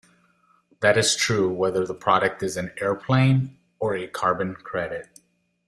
That is true whether the product is an airplane or a Carbon Credit.